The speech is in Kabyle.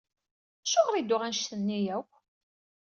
Acuɣer i d-tuɣ anect-nni akk?